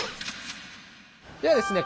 ではですね